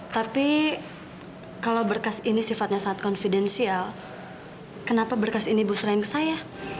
tapi kalau berkas ini sifatnya sangat confidential kenapa berkas ini bu serahin ke saya